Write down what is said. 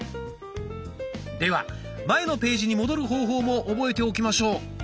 では前のページに戻る方法も覚えておきましょう。